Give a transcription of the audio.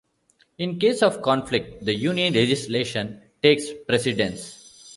In case of conflict, the Union legislation takes precedence.